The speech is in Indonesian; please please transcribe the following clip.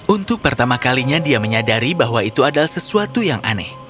untuk pertama kalinya dia menyadari bahwa itu adalah sesuatu yang aneh